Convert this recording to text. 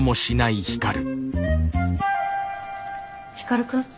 光くん？